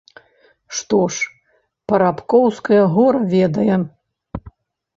Што ж, парабкоўскае гора ведае.